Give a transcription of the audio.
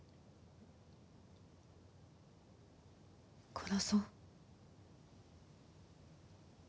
殺そう。